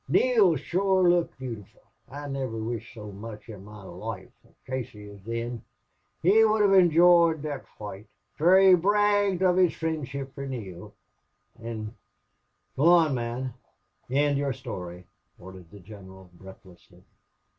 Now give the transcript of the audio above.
Neale shure looked beautiful, I niver wished so much in me loife fer Casey as thin. He would hev enjoyed thot foight, fer he bragged of his friendship fer Neale. An' " "Go on, man, end your story!" ordered the general, breathlessly.